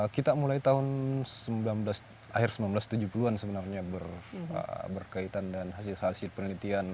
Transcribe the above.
kita mulai tahun seribu sembilan ratus tujuh puluh an sebenarnya berkaitan dengan hasil hasil penelitian